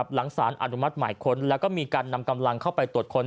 หลังสารอนุมัติหมายค้นแล้วก็มีการนำกำลังเข้าไปตรวจค้น